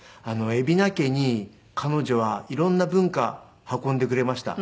海老名家に彼女は色んな文化運んでくれました。